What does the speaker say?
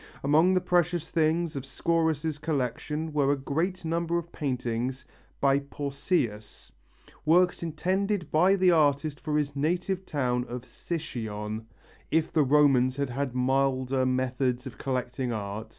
Among the precious things of Scaurus' collection were a great number of paintings by Pausias, works intended by the artist for his native town of Sycione, if the Romans had had milder methods of collecting art.